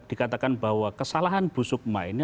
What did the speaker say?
dikatakan bahwa kesalahan bu sukma ini